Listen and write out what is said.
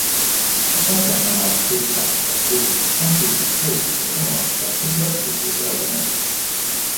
Appartengono a questa categoria anche i sensori di retromarcia o di parcheggio per automobile.